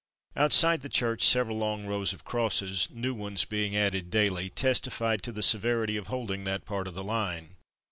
Outside the church several long rows of crosses (new ones being daily added) testi fied to the severity of holding that part of the line.